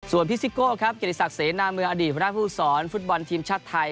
ส่วนภิสิโกะครับเกณฑศักดิ์เสนาเมืองอดีตพระนักผู้สอนฟุตบอลทีมชาติไทย